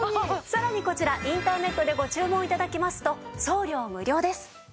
さらにこちらインターネットでご注文頂きますと送料無料です。